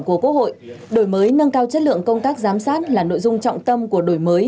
của quốc hội đổi mới nâng cao chất lượng công tác giám sát là nội dung trọng tâm của đổi mới